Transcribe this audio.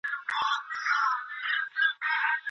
په لاس لیکل د پوهي د ژورتیا سبب ګرځي.